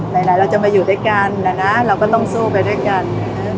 ไหนเราจะมาอยู่ด้วยกันนะนะเราก็ต้องสู้ไปด้วยกัน